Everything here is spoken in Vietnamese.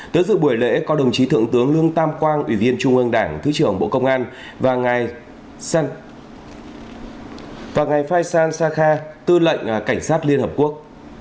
tới dự buổi lễ có đồng chí thượng tướng lương tam quang ủy viên trung ương đảng thứ trưởng bộ công an và ngài faisal shah khả tư lệnh cảnh sát liên hợp quốc